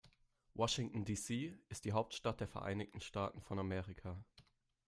Washington, D.C. ist die Hauptstadt der Vereinigten Staaten von Amerika.